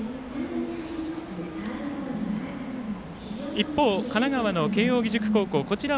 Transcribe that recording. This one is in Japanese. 一方、神奈川の慶応義塾高校。